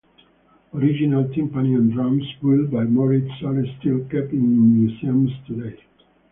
Original timpani and drums built by Moritz are still kept in museums today.